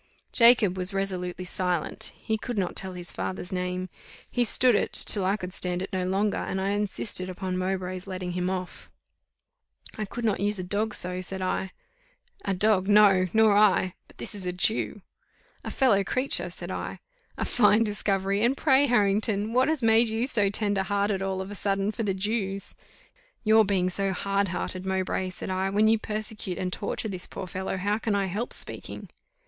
Jacob was resolutely silent; he would not tell his father's name. He stood it, till I could stand it no longer, and I insisted upon Mowbray's letting him off. "I could not use a dog so," said I. "A dog, no! nor I; but this is a Jew." "A fellow creature," said I. "A fine discovery! And pray, Harrington, what has made you so tender hearted all of a sudden for the Jews?" "Your being so hard hearted, Mowbray," said I: "when you persecute and torture this poor fellow, how can I help speaking?"